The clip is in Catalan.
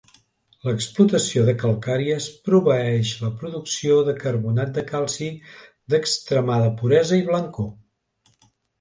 L'explotació de calcàries proveeix la producció de carbonat de calci d'extremada puresa i blancor.